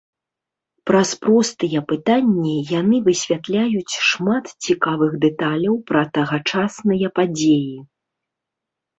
Праз простыя пытанні яны высвятляюць шмат цікавых дэталяў пра тагачасныя падзеі.